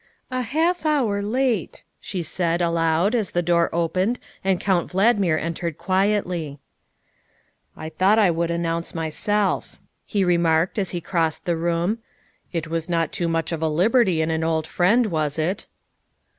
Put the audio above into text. "A half hour late," she said aloud as the door opened and Count Valdmir entered quietly. 110 THE WIFE OF " I thought I would announce myself," he remarked as he crossed the room. " It was not too much of a liberty in an old friend, was it?"